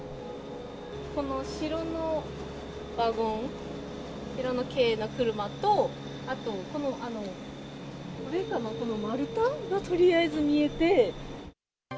この白のワゴン、白の軽の車と、あとこの、これかな、この丸太がとりあえず見えて。